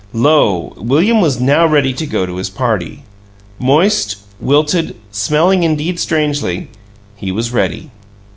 Lo, William was now ready to go to his party! Moist, wilted, smelling indeed strangely, he was ready.